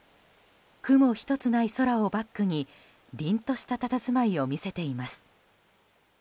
雲１つない空をバックに凛としたたたずまいを見せています。